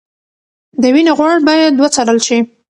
د وینې غوړ باید وڅارل شي.